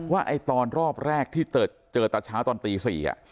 ว่าตอนรอบแรกที่เจอตาเช้าตอนตี๔